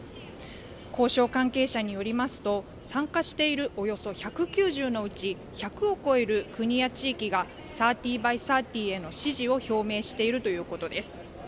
交渉関係者によりますと、参加しているおよそ１９０のうち１００を超える国や地域が、３０ｂｙ３０への支持を表明しているということです。